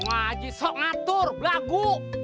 ngaji sok ngatur berlagu